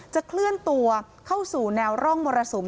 เคลื่อนตัวเข้าสู่แนวร่องมรสุม